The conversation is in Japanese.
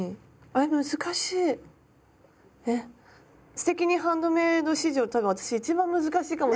「すてきにハンドメイド」史上多分私いちばん難しいかもしれない。